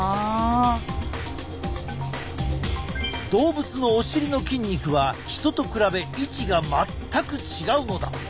動物のお尻の筋肉はヒトと比べ位置が全く違うのだ。